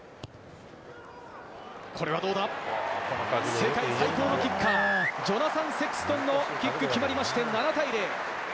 世界最強のキッカージョナサン・セクストンのキック、決まりまして７対０。